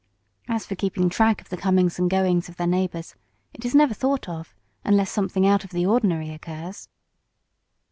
As for keeping track of the comings and goings of their neighbors, it is never thought of, unless something out of the ordinary occurs.